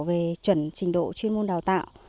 về chuẩn trình độ chuyên môn đào tạo